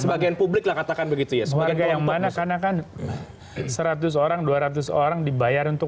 sebagian publik lah katakan begitu ya sebagai yang mana karena kan seratus orang dua ratus orang dibayar untuk